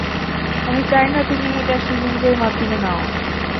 আমি চাই না তুমি এটা সিরিঞ্জের মাধ্যমে নাও।